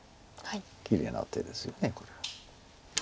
きれいな手ですよねこれは。